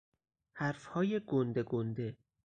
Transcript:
حرفهای گنده گنده